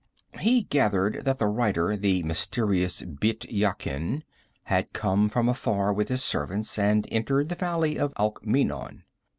He gathered that the writer, the mysterious Bît Yakin, had come from afar with his servants, and entered the valley of Alkmeenon.